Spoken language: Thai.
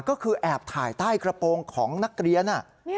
ก็คือแอบถ่ายใต้กระโปรงของนักเรียน